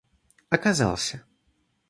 оказался